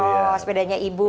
oh sepedanya ibu